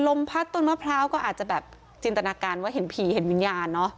ลมพัดต้นมะพร้าวก็อาจจะแบบจินตนาการว่าเห็นผีเห็นวิญญาณเนอะ